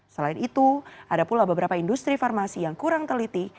selain itu ada pula beberapa industri farmasi yang kurang teliti